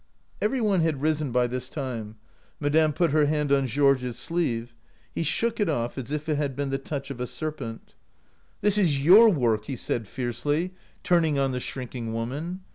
•" Every one had risen by this time. Madame put her hand on Georges' sleeve ; he shook it off as if it had been the touch of a serpent. 35 OUT OF BOHEMIA "'This is your work! 1 he said, fiercely, turning on the shrinking woman.